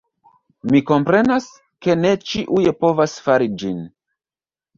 Mi komprenas, ke ne ĉiuj povas fari ĝin